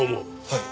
はい。